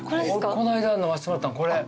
この間飲ましてもらったのこれ。